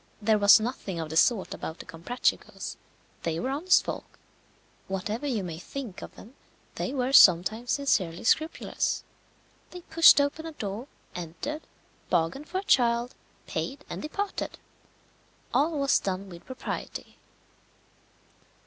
There was nothing of the sort about the Comprachicos; they were honest folk. Whatever you may think of them, they were sometimes sincerely scrupulous. They pushed open a door, entered, bargained for a child, paid, and departed. All was done with propriety.